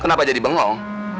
kenapa jadi bengong